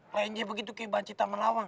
rai aja begitu kayak banci taman lawang